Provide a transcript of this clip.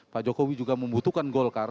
pak jokowi juga membutuhkan golkar